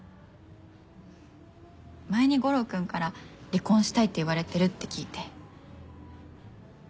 前に悟郎君から離婚したいって言われてるって聞いて。